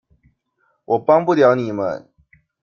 我幫不了你們